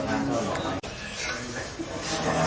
สวัสดีครับทุกคน